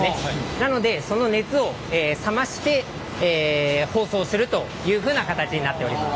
なのでその熱を冷まして包装するというふうな形になっております。